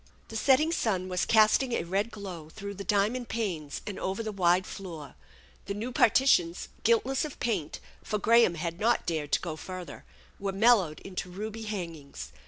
The setting sun was casting a red glow through the diamond panes and over the wide floor. The new partitions, guiltless of paint, for Graham had not dared to go further, were mel lowed into ruby hangings.